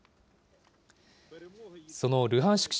そのルハンシク